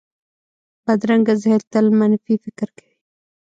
بدرنګه ذهن تل منفي فکر کوي